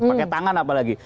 pakai tangan apa lagi